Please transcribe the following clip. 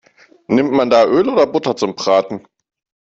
Nimmt man da Öl oder Butter zum Braten?